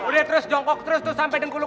lo gak sekolah